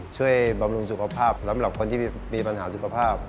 บำรุงสุขภาพสำหรับคนที่มีปัญหาสุขภาพ